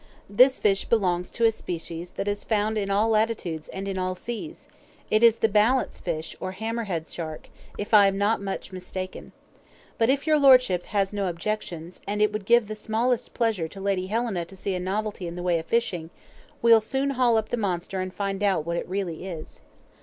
"This fish belongs to a species that is found in all latitudes and in all seas. It is the 'balance fish,' or hammer headed shark, if I am not much mistaken. But if your Lordship has no objections, and it would give the smallest pleasure to Lady Helena to see a novelty in the way of fishing, we'll soon haul up the monster and find out what it really is."